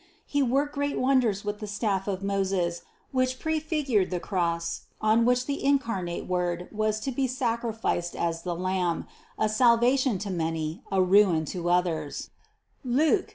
He worked great wonders with the staff of Moses, which prefigured the cross on which the incarnate Word was to be sacri ficed as the Lamb, a salvation to many, a ruin to others (Luc.